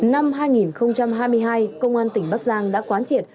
năm hai nghìn hai mươi hai công an tỉnh bắc giang đã quán triệt